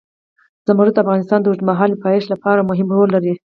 زمرد د افغانستان د اوږدمهاله پایښت لپاره مهم رول لري.